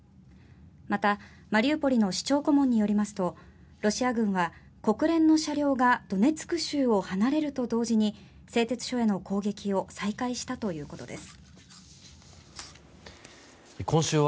また、マリウポリの市長顧問によりますとロシア軍は国連の車両がドネツク州を離れると同時に製鉄所への攻撃を再開したということです。